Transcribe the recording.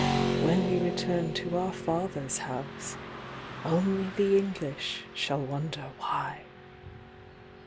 When we return to our Father's HouseOnly the English shall wonder why!